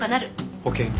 保険金。